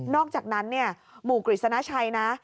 นอกจากนั้นหมู่กริจสนาชัยนะ